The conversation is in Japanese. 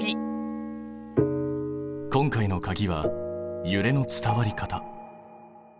今回のかぎはゆれの伝わり方。